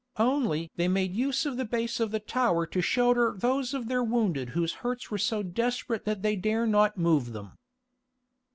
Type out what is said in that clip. Only they made use of the base of the tower to shelter those of their wounded whose hurts were so desperate that they dared not move them.